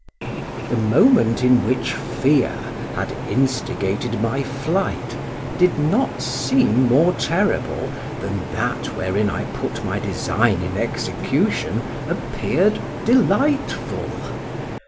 The moment in which fear had instigated my flight, did not seem more terrible than that wherein I put my design in execution appeared delightful.